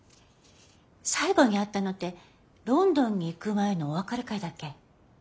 最後に会ったのってロンドンに行く前のお別れ会だっけ？